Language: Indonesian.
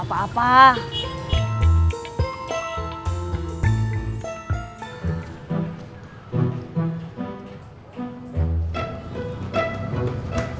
sangka lama udah sama dia